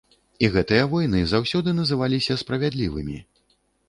І гэтыя войны заўсёды называліся справядлівымі.